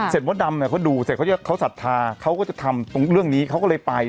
มดดำเขาดูเสร็จเขาศรัทธาเขาก็จะทำตรงเรื่องนี้เขาก็เลยไป